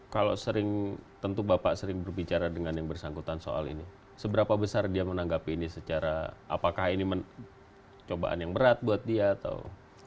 kalau sering tentu bapak sering berbicara dengan yang bersangkutan soal ini seberapa besar dia menanggapi ini secara apakah ini cobaan yang berat buat dia atau